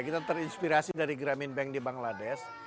kita terinspirasi dari gramin bank di bangladesh